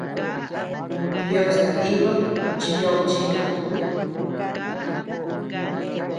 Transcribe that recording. Ndios nadibad chi nod chined ú.